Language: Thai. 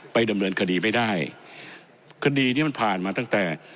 ดำเนินคดีไม่ได้คดีนี้มันผ่านมาตั้งแต่